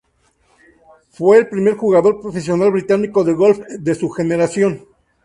Fue el mejor jugador profesional británico de golf de su generación.